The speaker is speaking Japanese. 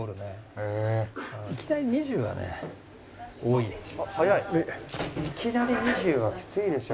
いきなり２０はきついでしょ。